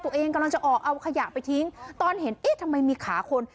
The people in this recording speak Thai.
กำลังจะออกเอาขยะไปทิ้งตอนเห็นเอ๊ะทำไมมีขาคน